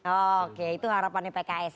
oke itu harapannya pks